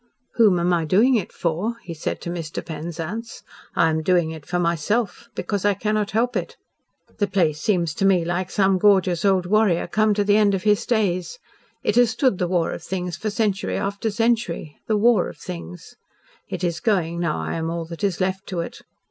"Whom am I doing it for?" he said to Mr. Penzance. "I am doing it for myself because I cannot help it. The place seems to me like some gorgeous old warrior come to the end of his days. It has stood the war of things for century after century the war of things. It is going now I am all that is left to it.